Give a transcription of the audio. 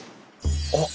あっ！